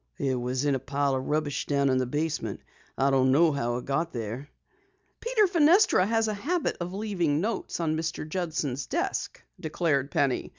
"It was in a pile of rubbish down in the basement. I don't know how it got there." "Peter Fenestra has a habit of leaving notes on Mr. Judson's desk," declared Penny.